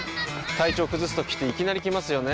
体調崩すときっていきなり来ますよね。